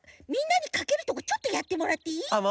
みんなにかけるところちょっとやってもらっていい？